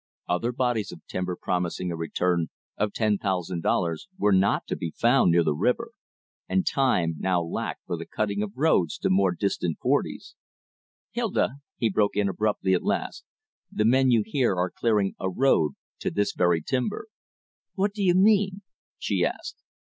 Other bodies of timber promising a return of ten thousand dollars were not to be found near the river, and time now lacked for the cutting of roads to more distant forties. "Hilda," he broke in abruptly at last, "the men you hear are clearing a road to this very timber." "What do you mean?" she asked.